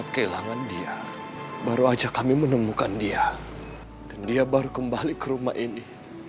kehilangan dia baru aja kami menemukan dia dan dia baru kembali ke rumah ini